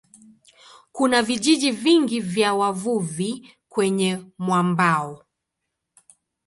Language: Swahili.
Kuna vijiji vingi vya wavuvi kwenye mwambao.